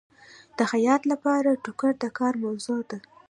د خیاط لپاره ټوکر د کار موضوع ده.